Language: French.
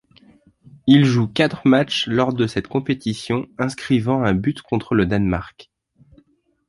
Il joue quatre matchs lors de cette compétition, inscrivant un but contre le Danemark.